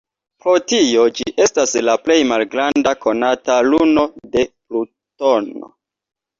Pro tio, ĝi estas la plej malgranda konata luno de Plutono.